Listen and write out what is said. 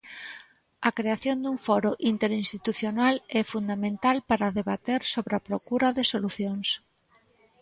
A creación dun foro interinstitucional é fundamental para debater sobre a procura de solucións.